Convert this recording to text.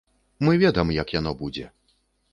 Мы ведам, як яно будзе.